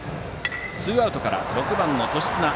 ツーアウトから６番の年綱。